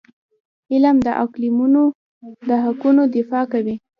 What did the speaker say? علم د اقلیتونو د حقونو دفاع کوي.